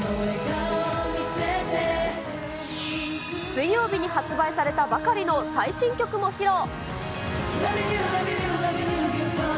水曜日に発売されたばかりの最新曲も披露。